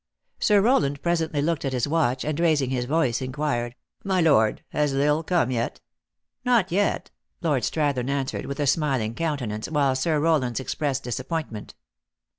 Sir Rowland presently looked at his watch, and raising his voice, inquired " My Lord, has L Isle come yet?" ",Not yet," Lord Strathern answered with a smil ing countenance, while Sir Rowland s expressed disap pointment.